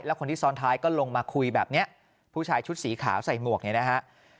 แล้วคนที่ซ้อนท้ายก็ลงมาคุยแบบนี้ผู้ชายชุดสีขาวใส่หมวกเนี่ยนะฮะ